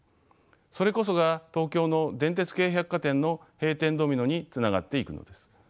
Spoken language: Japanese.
それこそが東京の電鉄系百貨店の閉店ドミノにつながっていくのです。